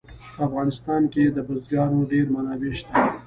په افغانستان کې د بزګانو ډېرې منابع شته.